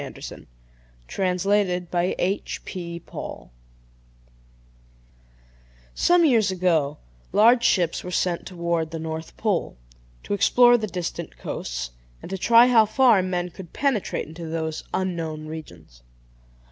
IN THE UTTERMOST PARTS OF THE SEA Some years ago, large ships were sent towards the north pole, to explore the distant coasts, and to try how far men could penetrate into those unknown regions.